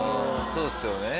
そうっすよね。